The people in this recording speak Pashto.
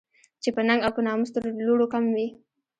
چې په ننګ او په ناموس تر لوڼو کم وي